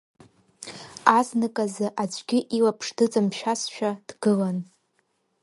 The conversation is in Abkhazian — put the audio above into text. Азныказы аӡәгьы илаԥш дыҵамшәазшәа дгылан.